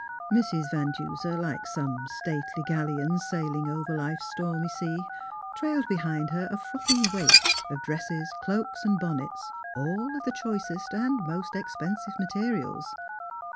Mrs. Van Duser, like some stately galleon sail ing over life's stormy sea, trailed behind her a frothing wake of dresses, cloaks, and bonnets, all of the choicest and most expensive materials.